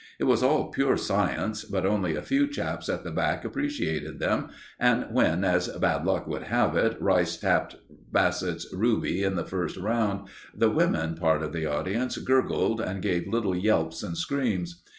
It was all pure science, but only a few chaps at the back appreciated them, and when, as bad luck would have it, Rice tapped Bassett's ruby in the first round, the women part of the audience gurgled, and gave little yelps and screams.